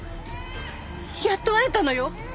やっと会えたのよ。